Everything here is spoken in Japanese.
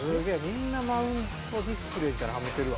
みんなマウントディスプレーみたいのはめてるわ。